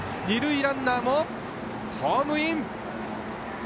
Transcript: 二塁ランナーもホームイン！